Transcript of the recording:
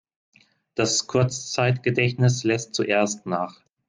Das Kurzzeitgedächtnis lässt zuerst nach.